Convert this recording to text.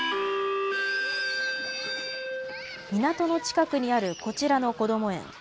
港の近くにあるこちらのこども園。